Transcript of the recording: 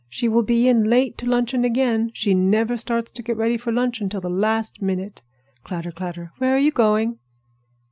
She will be in late to luncheon again. She never starts to get ready for luncheon till the last minute." Clatter, clatter! "Where are you going?"